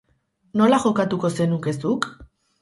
Nola jokatuko zenuke zuk?